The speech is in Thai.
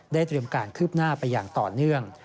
เตรียมการคืบหน้าไปอย่างต่อเนื่อง